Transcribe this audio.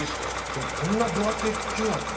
でもこんな分厚い茎なんですね